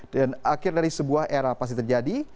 dan akhirnya dari sebuah era pasti terjadi